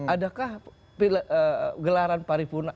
adakah gelaran pari purna